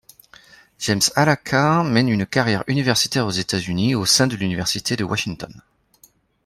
James Alaka mène une carrière universitaire aux États-Unis, au sein de l'université de Washington.